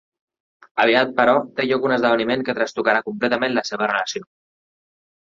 Aviat però, té lloc un esdeveniment que trastocarà completament la seva relació.